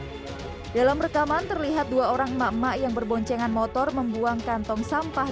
hai dalam rekaman terlihat dua orang emak emak yang berboncengan motor membuang kantong sampah